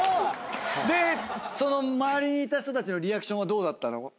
で周りにいた人たちのリアクションはどうだったの？